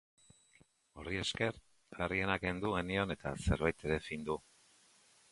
Horri esker, larriena kendu genion eta zerbait ere findu.